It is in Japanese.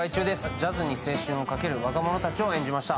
ジャズに青春をかける若者たちを描きました。